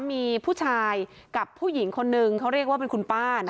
มีผู้ชายกับผู้หญิงคนนึงเขาเรียกว่าเป็นคุณป้า